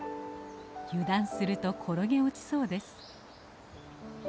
油断すると転げ落ちそうです。